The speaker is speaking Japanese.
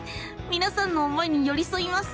みなさんの思いによりそいます！